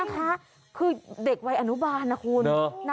คือเด็กวัยอนุบาลนะคุณ